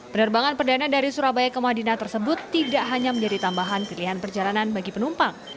penerbangan perdana dari surabaya ke madinah tersebut tidak hanya menjadi tambahan pilihan perjalanan bagi penumpang